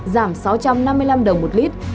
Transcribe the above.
giảm sáu trăm năm mươi năm đồng một lít